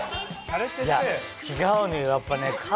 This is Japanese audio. いや違うのよやっぱね。